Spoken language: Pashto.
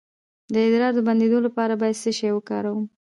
د ادرار د بندیدو لپاره باید څه شی وکاروم؟